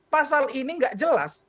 pasal ini tidak jelas